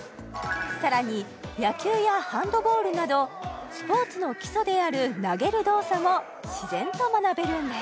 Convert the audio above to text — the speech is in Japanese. さらに野球やハンドボールなどスポーツの基礎である投げる動作も自然と学べるんです